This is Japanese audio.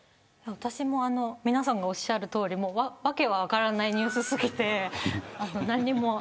私も皆さんがおっしゃるとおり訳が分からないニュース過ぎて。